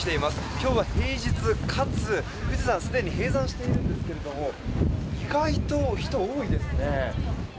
今日は平日かつ、富士山は既に閉山しているんですけれども意外と人多いですね。